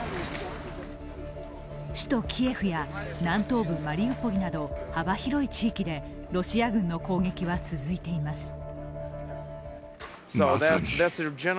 首都キエフや南東部マリウポリなど幅広い地域でロシア軍の攻撃は続いています。